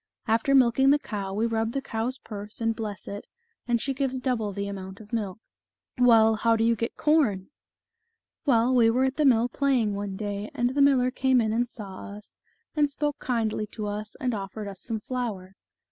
After milking the cow, we rub the cow's purse and bless it, and she gives double the amount of milk." " Well, how do you get corn ?" "Well, we were at the mill playing one day, and the miller came in and saw us, and spoke kindly to us, and offered us some flour.